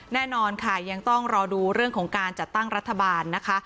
แน่นอนค่ะยังต้องรอดูเรื่องของการจัดตั้งรัฐบาลนะคะ